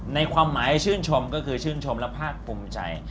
ในความหมายชื่นชมก็คือชื่นชมและภาคภูมิใจ